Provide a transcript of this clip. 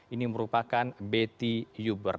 ini merupakan betty uber